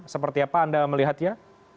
seperti apa anda melihat ya